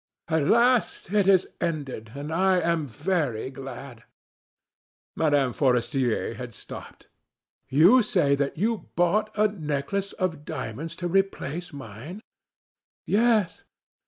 At last it is ended, and I am very glad." Mme. Forestier had stopped. "You say that you bought a necklace of diamonds to replace mine?" "Yes.